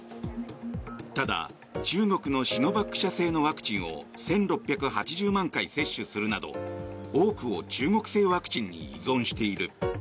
ただ、中国のシノバック社製のワクチンを１６８０万回接種するなど多くを中国製ワクチンに依存している。